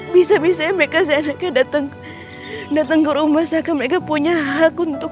bisa bisa mereka senangnya datang datang ke rumah seakan mereka punya hak untuk